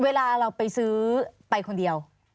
เวลาเราไปซื้อไปคนเดียว